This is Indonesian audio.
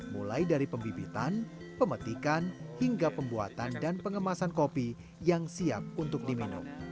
mulai dari pembibitan pemetikan hingga pembuatan dan pengemasan kopi yang siap untuk diminum